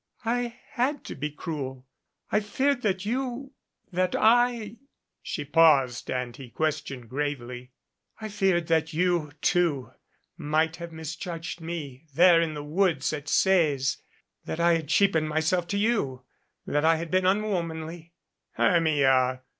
"I had to be cruel. I feared that you that I " She paused and he questioned gravely. "I feared that you, too, might have misjudged me there in the woods at Sees that I had cheapened myself to you that I had been unwomanly." "Hermia!"